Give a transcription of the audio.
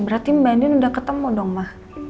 berarti mbak andin udah ketemu dong ma